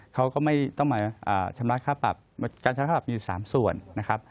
เขาก็ไม่ต้องมาชำระค่าปรับการชำระค่าปรับมีอยู่๓ส่วนนะครับ